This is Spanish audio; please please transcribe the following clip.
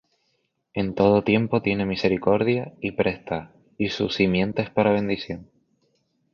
En todo tiempo tiene misericordia, y presta; Y su simiente es para bendición.